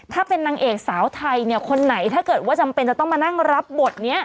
ถ้าเป็นนางเอกสาวไทยเนี่ยคนไหนถ้าเกิดว่าจำเป็นจะต้องมานั่งรับบทนี้